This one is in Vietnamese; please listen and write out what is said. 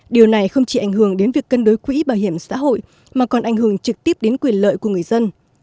điều này không chỉ ảnh hưởng đến việc cân đối quỹ bảo hiểm xã hội mà còn ảnh hưởng trực tiếp đến quyền lợi của người dân